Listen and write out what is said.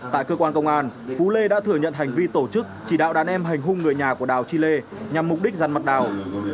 tại cơ quan công an phú lê đã thừa nhận hành vi tổ chức chỉ đạo đàn em hành hung người nhà của đào chi lê nhằm mục đích răn mặt đào